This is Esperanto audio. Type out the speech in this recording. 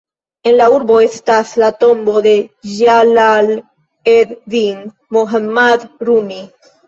En la urbo estas la tombo de Ĝalal-ed-din Mohammad Rumi.